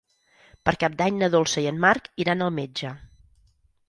Per Cap d'Any na Dolça i en Marc iran al metge.